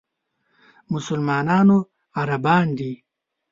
مسلمانانو عربان دي.